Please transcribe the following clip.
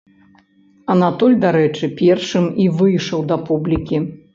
Анатоль, дарэчы, першым і выйшаў да публікі.